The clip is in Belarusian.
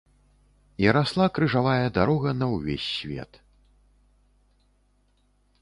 І расла крыжавая дарога на ўвесь свет.